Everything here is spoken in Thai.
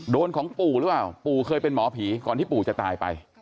ของปู่หรือเปล่าปู่เคยเป็นหมอผีก่อนที่ปู่จะตายไป